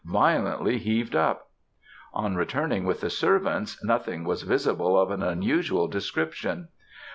violently heaved up_. On returning with the servants, nothing was visible of an unusual description.